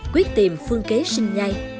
quyết tìm phương kế sinh nhai